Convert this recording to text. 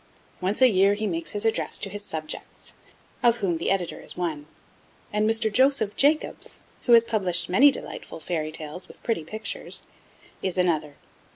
Once a year he makes his address to his subjects, of whom the Editor is one, and Mr. Joseph Jacobs (who has published many delightful fairy tales with pretty pictures)(1) is another.